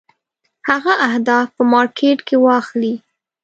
هغه اهداف په مارکېټ کې واخلي.